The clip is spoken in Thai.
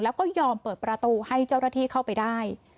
แล้วก็ยอมเปิดประตูให้เจ้าหน้าที่เข้าไปได้